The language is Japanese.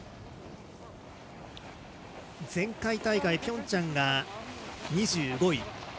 前回大会ピョンチャンが２５位。